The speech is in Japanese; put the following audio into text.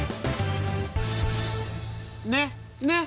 ねっねっ。